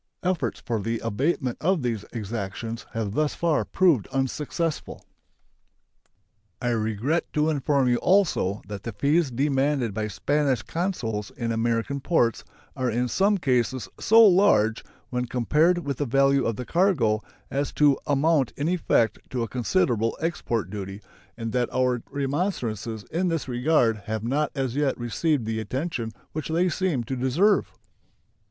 Efforts for the abatement of these exactions have thus far proved unsuccessful. I regret to inform you also that the fees demanded by Spanish consuls in American ports are in some cases so large, when compared with the value of the cargo, as to amount in effect to a considerable export duty, and that our remonstrances in this regard have not as yet received the attention which they seem to deserve.